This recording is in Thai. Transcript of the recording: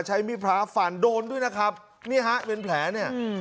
ใช้มีดพระฟันโดนด้วยนะครับนี่ฮะเป็นแผลเนี่ย